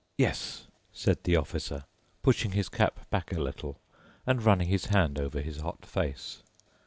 "Yes," said the Officer, pushing his cap back a little and running his hand over his hot face.